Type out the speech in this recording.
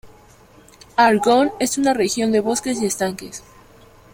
Argonne es una región de bosques y estanques.